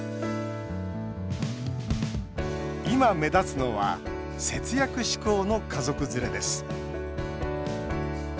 今、目立つのは節約志向の家族連れです。